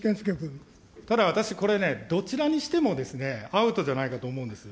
ただ、私、これね、どちらにしてもアウトじゃないかと思うんです。